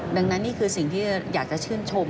ดังนั้นนี่คือสิ่งที่อยากจะชื่นชม